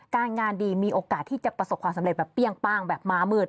การงานดีมีโอกาสที่จะประสบความสำเร็จแบบเปรี้ยงป้างแบบม้ามืด